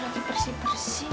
ih lagi bersih bersih